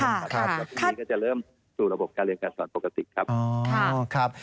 แล้วพรุ่งนี้ก็จะเริ่มสู่ระบบการเรียนการสอนปกติครับ